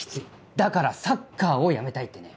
だからサッカーをやめたいってね。